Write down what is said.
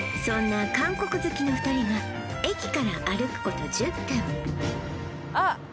そんな韓国好きの２人が駅から歩くこと１０分あっ